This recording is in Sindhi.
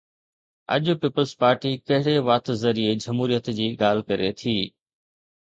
اڄ پيپلز پارٽي ڪهڙي وات ذريعي جمهوريت جي ڳالهه ڪري ٿي؟